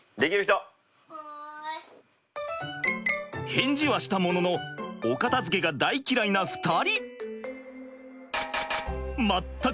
返事はしたもののお片づけが大嫌いな２人。